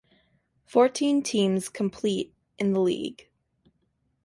Fourteen teams complete in the league.